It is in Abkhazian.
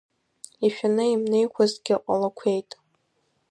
Ишәаны имнеиқәазгьы ҟалақәеит.